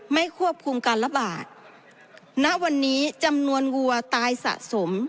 ไม่ควบคุมการระบาดณวันนี้จำนวนวัวตายสะสม